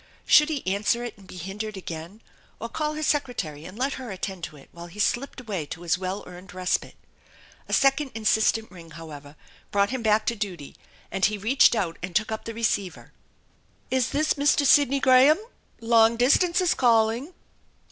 Should he answer it and be hindered again, or call his secretary and let her attend to it while he slipped away to his well earned respite? A second insistent ring, however, brought him back to duty and he reached out and took up the receiver. " Is this Mr. Sidney Graham ? Long distance is calling